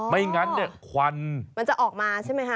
ไม่งั้นเนี่ยควันมันจะออกมาใช่ไหมคะ